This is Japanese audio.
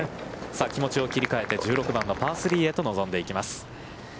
さあ、気持ちを切りかえて、１６番のパー３へと臨んでいきます。